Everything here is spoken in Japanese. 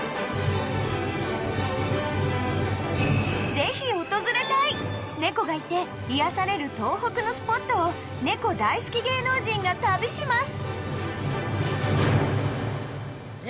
ぜひ訪れたい猫がいて癒やされる東北のスポットを猫大好き芸能人が旅します！